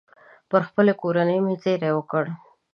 پر خپلې کورنۍ مې زېری وکړ.